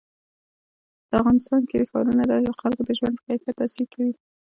په افغانستان کې ښارونه د خلکو د ژوند په کیفیت تاثیر کوي.